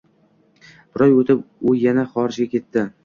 Bir oy o`tib, u yana xorijga ketdi